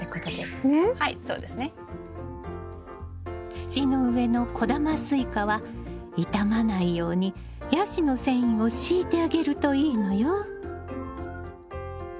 土の上の小玉スイカは傷まないようにヤシの繊維を敷いてあげるといいのよ。